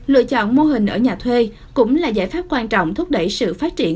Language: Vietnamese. lựa chọn mô hình ở nhà thuê cũng là giải pháp quan trọng thúc đẩy sự phát triển